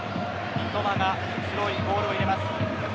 三笘がスローインボールを入れます。